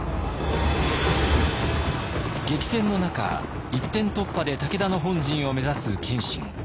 激戦の中一点突破で武田の本陣を目指す謙信。